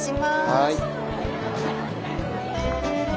はい。